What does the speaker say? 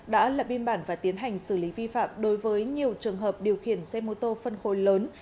đã lập biên bản và tiến hành xử lý vi phạm đối với nhiều trường hợp điều khiển xe mô tô phân khối lớn